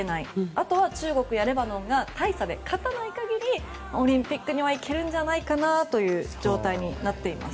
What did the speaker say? あとは中国やレバノンが大差で勝たない限りオリンピックにはいけるんじゃないかなという状態になっています。